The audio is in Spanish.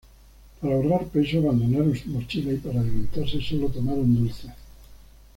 Para ahorrar peso, abandonaron sus mochilas y, para alimentarse, solo tomaron dulces.